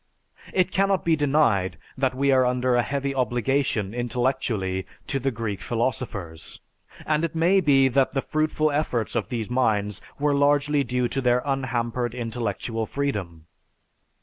It cannot be denied that we are under a heavy obligation intellectually to the Greek philosophers. And it may be that the fruitful efforts of those minds were largely due to their unhampered intellectual freedom.